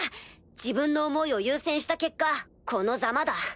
自分の思いを優先した結果このザマだ。